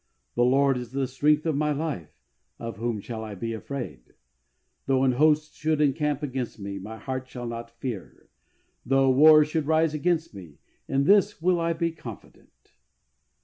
The Lord is the strength of my life ; of whom shall I be afraid ? Though an host should encamp against me my heart shall not fear ; though war should rise against me, in this will I be confident."